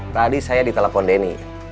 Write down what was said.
tadi saya ditelepon denny